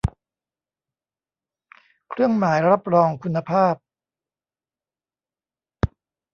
เครื่องหมายรับรองคุณภาพ